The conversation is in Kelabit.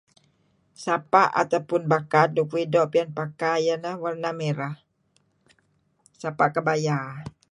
Sapa' atau pun bakad uih doo' piyan pakai iyeh ineh warna merah. Sapa' kebaya.